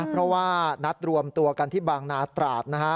เพราะว่านัดรวมตัวกันที่บางนาตราดนะฮะ